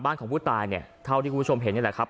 ของผู้ตายเนี่ยเท่าที่คุณผู้ชมเห็นนี่แหละครับ